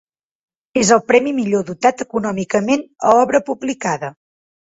És el premi millor dotat econòmicament a obra publicada.